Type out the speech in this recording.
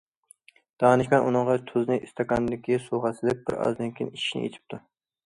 دانىشمەن ئۇنىڭغا تۇزنى ئىستاكاندىكى سۇغا سېلىپ بىر ئازدىن كېيىن ئىچىشنى ئېيتىپتۇ.